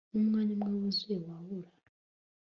numwanya umwe wuzuye wabura